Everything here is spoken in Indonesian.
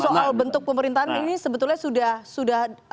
soal bentuk pemerintahan ini sebetulnya sudah